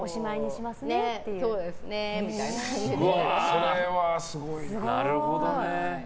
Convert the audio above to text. それはすごいな。